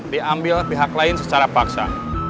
diambil pihak lain secara paksa